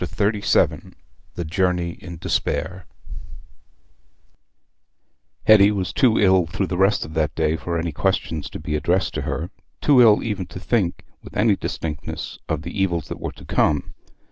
Chapter XXXVII The Journey in Despair Hetty was too ill through the rest of that day for any questions to be addressed to her—too ill even to think with any distinctness of the evils that were to come.